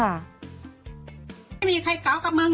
ไม่มีใครเก๋ากับมึง